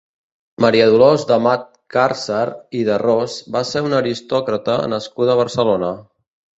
Maria Dolors d'Amat-Càrcer i de Ros va ser una aristòcrata, nascuda a Barcelona.